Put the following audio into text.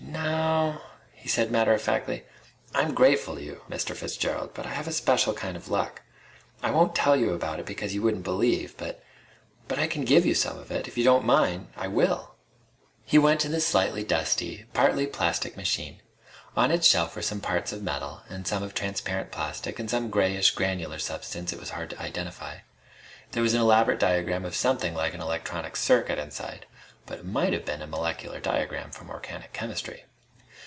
"No o o," he said matter of factly. "I'm grateful to you, Mr. Fitzgerald, but I have a special kind of luck. I won't tell you about it because you wouldn't believe but but I can give you some of it. If you don't mind, I will." He went to the slightly dusty, partly plastic machine. On its shelf were some parts of metal, and some of transparent plastic, and some grayish, granular substance it was hard to identify. There was an elaborate diagram of something like an electronic circuit inside, but it might have been a molecular diagram from organic chemistry.